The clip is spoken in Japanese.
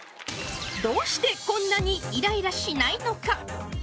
どうしてこんなにイライラしないのか？